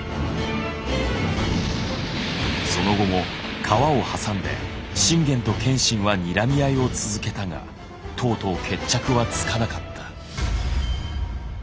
その後も川を挟んで信玄と謙信はにらみ合いを続けたがとうとう決着はつかなかった。